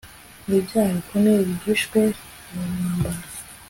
nibyaha bikomeye bihishwe mu mwambaro